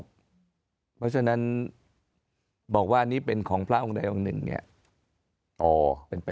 เพราะฉะนั้นบอกว่านี่เป็นของพระองค์ใดองค์หนึ่งเนี่ย